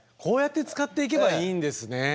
こうやって使っていけばいいんですね。